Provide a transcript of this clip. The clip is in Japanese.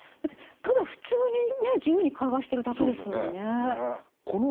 ただ普通にね自由に会話してるだけですもんね。